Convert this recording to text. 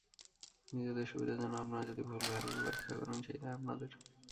নিজেদের সুবিধার জন্য আপনারা যদি ভুল-ভাল ব্যাখ্যা করেন সেই দায় আপনাদের।